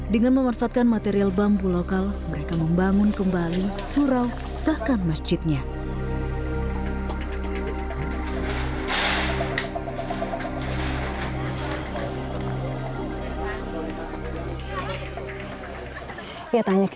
dengan memanfaatkan material bambu lokal mereka membangun kembali surau bahkan masjidnya